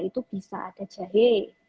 itu bisa ada jahe